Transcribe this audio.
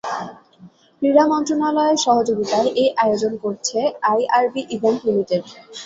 ক্রীড়া মন্ত্রণালয়ের সহযোগিতায় এ আয়োজন করছে আইআরবি ইভেন্ট লিমিটেড।